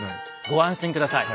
ご安心下さい。